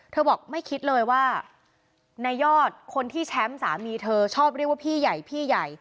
บอกไม่คิดเลยว่าในยอดคนที่แชมป์สามีเธอชอบเรียกว่าพี่ใหญ่พี่ใหญ่